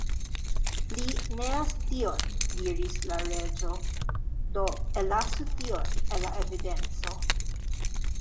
"Li neas 'tion'" diris la Reĝo, "do ellasu 'tion' el la evidenco."